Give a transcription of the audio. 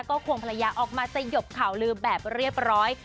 ก็ควงภรรยาออกมาสยบข่าวลือแบบเรียบร้อย